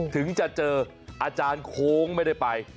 ถึงจะเจออาจารย์โค้งไม่ได้ไป